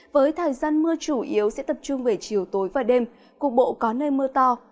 với thời gian mưa chủ yếu sẽ tập trung về chiều tối và đêm cục bộ có nơi mưa to